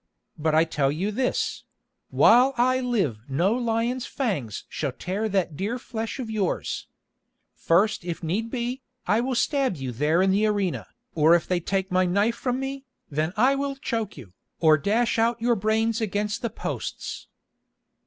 But I tell you this—while I live no lion's fangs shall tear that dear flesh of yours. First if need be, I will stab you there in the arena, or if they take my knife from me, then I will choke you, or dash out your brains against the posts."